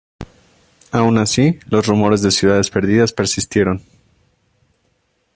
Aun así, los rumores de ciudades perdidas persistieron.